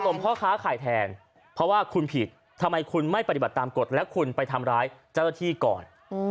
พ่อค้าขายแทนเพราะว่าคุณผิดทำไมคุณไม่ปฏิบัติตามกฎและคุณไปทำร้ายเจ้าหน้าที่ก่อน